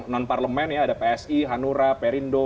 non parlemen ya ada psi hanura perindo